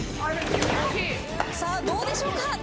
さあどうでしょうか？